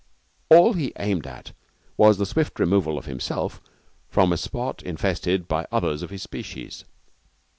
All he aimed at was the swift removal of himself from a spot infested by others of his species.